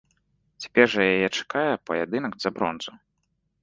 Цяпер жа яе чакае паядынак за бронзу.